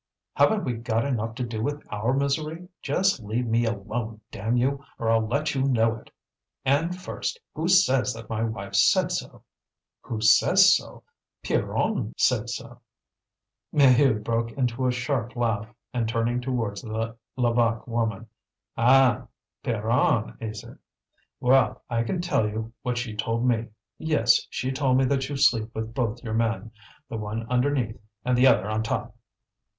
Haven't we got enough to do with our misery? Just leave me alone, damn you! or I'll let you know it! And first, who says that my wife said so?" "Who says so? Pierronne said so." Maheude broke into a sharp laugh, and turning towards the Levaque woman: "An! Pierronne, is it? Well! I can tell you what she told me. Yes, she told me that you sleep with both your men the one underneath and the other on top!"